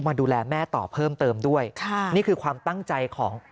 มาดูแลแม่ต่อเพิ่มเติมด้วยค่ะนี่คือความตั้งใจของ